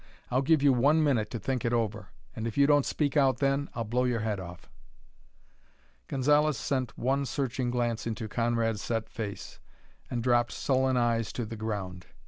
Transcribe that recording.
I'll give you one minute to think it over; and if you don't speak out then, I'll blow your head off." Gonzalez sent one searching glance into Conrad's set face, and dropped sullen eyes to the ground.